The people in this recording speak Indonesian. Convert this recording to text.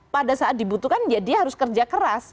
pada saat dibutuhkan ya dia harus kerja keras